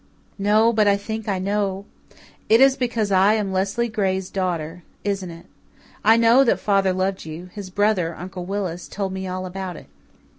"No, but I think I know. It is because I am Leslie Gray's daughter, isn't it? I know that father loved you his brother, Uncle Willis, told me all about it."